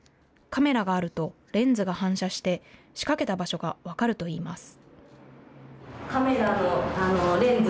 カメラがあるとレンズが反射して仕掛けた場所が分かるといいます。